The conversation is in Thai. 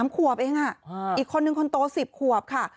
๓ขวบเองอีกคนนึงคนโต๑๐ขวบค่ะ